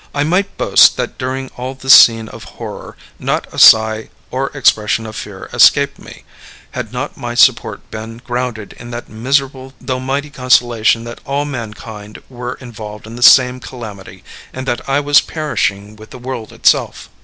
I might boast that during all this scene of horror not a sigh or expression of fear escaped me, had not my support been grounded in that miserable though mighty consolation that all mankind were involved in the same calamity, and that I was perishing with the world itself.